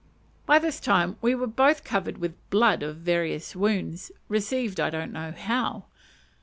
By this time we were both covered with blood from various wounds, received I don't know how.